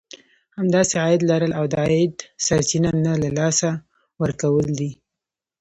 همداسې عايد لرل او د عايد سرچينه نه له لاسه ورکول دي.